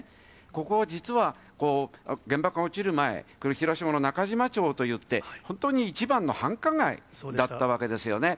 ここは実は、原爆が落ちる前、広島のなかじま町といって、本当に一番の繁華街だったわけですよね。